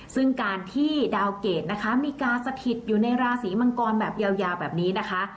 ซึ่งการที่ดาวเกรดนะคะมีการสถิตอยู่ในราศีมังกรแบบยาวแบบนี้นะคะ